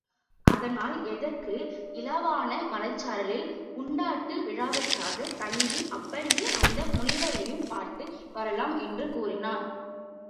அதனால் எதற்கும் இலாவான மலைச்சாரலில் உண்டாட்டு விழாவிற்காகத் தங்கி அப்படியே அந்த முனிவரையும் பார்த்து வரலாம் என்று கூறினான்.